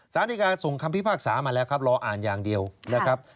สารดีการส่งคำพิพากษามาแล้วครับรออ่านอย่างเดียวนะครับ